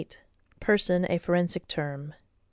Person a forensic Term.